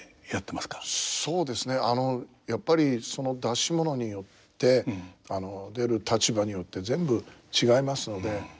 そうですねやっぱりその出し物によって出る立場によって全部違いますので。